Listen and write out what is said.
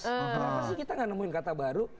kenapa sih kita gak nemuin kata baru